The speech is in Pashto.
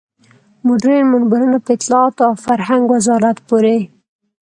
مډرن منبرونه په اطلاعاتو او فرهنګ وزارت پورې.